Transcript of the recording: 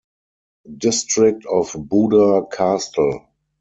District of Buda Castle.